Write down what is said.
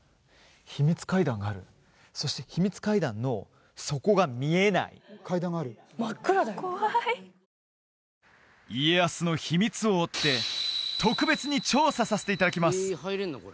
秘密階段があるそして秘密階段の底が見えない家康の秘密を追って特別に調査させていただきます